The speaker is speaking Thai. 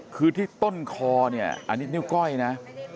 คือที่ต้นคอเนี่ยอันนี้นิ้วก้อยนะ